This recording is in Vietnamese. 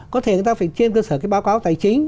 có thể người ta phải trên cơ sở cái báo cáo tài chính